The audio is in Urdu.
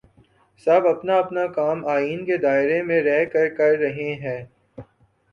سب اپنا اپنا کام آئین کے دائرے میں رہ کر رہے ہیں۔